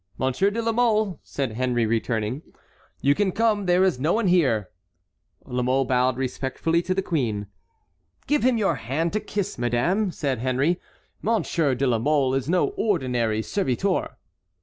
"Monsieur de la Mole," said Henry, returning, "you can come; there is no one here." La Mole bowed respectfully to the queen. "Give him your hand to kiss, madame," said Henry; "Monsieur de la Mole is no ordinary servitor."